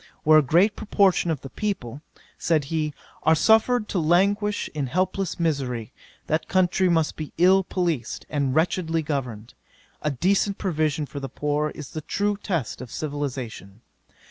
Where a great proportion of the people (said he,) are suffered to languish in helpless misery, that country must be ill policed, and wretchedly governed: a decent provision for the poor, is the true test of civilization.